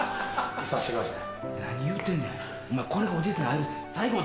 いさしてください。